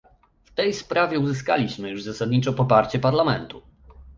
W tej sprawie uzyskaliśmy już zasadniczo poparcie Parlamentu